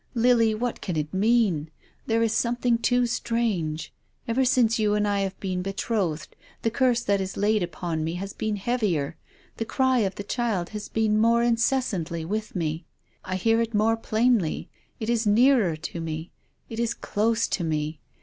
Lily, what can it mean ? There is something too strange. Ever since you and I have been betrothed the curse that is laid upon me has been heavier, the cry of the child has been more incessantly with me. I hear it more plainly. It is nearer to me. It is close to me.